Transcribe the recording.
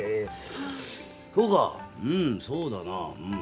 そうかうんそうだなうん。